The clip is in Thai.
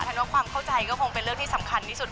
ฉันว่าความเข้าใจก็คงเป็นเรื่องที่สำคัญที่สุด